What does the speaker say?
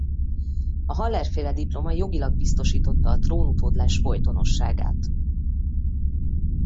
A Haller-féle diploma jogilag biztosította a trónutódlás folytonosságát.